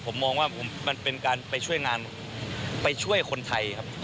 ผมมองว่ามันเป็นการไปช่วยงานไปช่วยคนไทยครับ